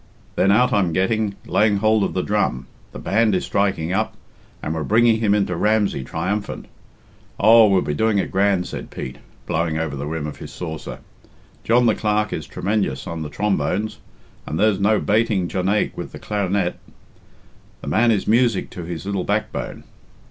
Then out I'm getting, laying hould of the drum, the band is striking up, and we're bringing him into Ramsey triumphant. Oh, we'll be doing it grand," said Pete, blowing over the rim of his saucer. "John the Clerk is tremenjous on the trombones, and there's no bating Jonaique with the clar'net the man is music to his little backbone.